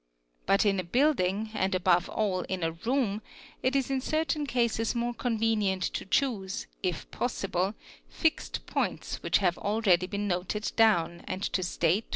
But in a building, and above all in a room, it is in certain cases more convenient to choose, if possible, fixed points which have already been noted down and to state e.